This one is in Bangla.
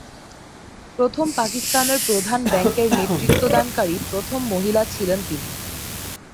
প্রথম পাকিস্তানের প্রধান ব্যাংকের নেতৃত্বদানকারী প্রথম মহিলা ছিলেন তিনি।